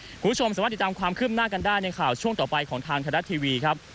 คุณผู้ชมสามารถติดตามความคืบหน้ากันได้ในข่าวช่วงต่อไปของทางไทยรัฐทีวีครับ